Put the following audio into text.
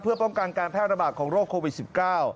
เพื่อป้องกันการแพร่ระบาดของโรคโควิด๑๙